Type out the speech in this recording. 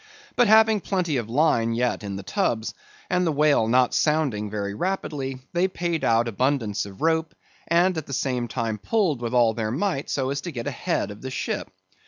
But having plenty of line yet in the tubs, and the whale not sounding very rapidly, they paid out abundance of rope, and at the same time pulled with all their might so as to get ahead of the ship.